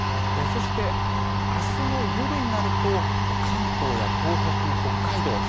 そして、明日の夜になると関東や東北、北海道